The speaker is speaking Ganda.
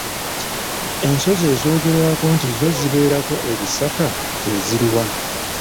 Ensozi ezoogerwako nti zo zibeerako ebisaka ze ziri wa?